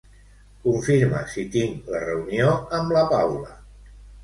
Confirma si tinc la reunió amb la Paula.